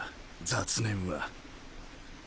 雑念は。